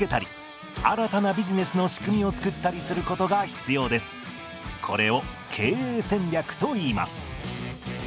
企業にはこれを経営戦略といいます。